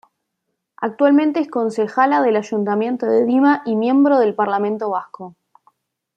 Actualmente es Concejala del Ayuntamiento de Dima y miembro del Parlamento Vasco.